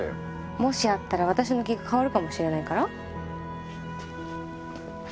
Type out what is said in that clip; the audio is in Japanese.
もしあったら私の気が変わるかもしれないから？